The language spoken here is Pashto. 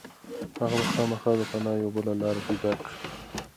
هغه به خامخا د پناه یوه بله لاره پيدا کړي.